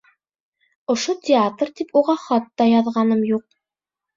Ошо театр тип уға хат та яҙғаным юҡ!